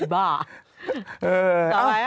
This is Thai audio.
บ้า